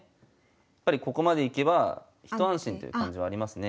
やっぱりここまでいけば一安心という感じはありますね。